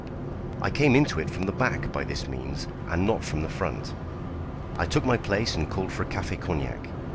I came into it from the back by this means, and not from the front. I took my place and called for a café cognac.